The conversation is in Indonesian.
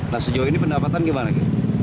nah sejauh ini pendapatan gimana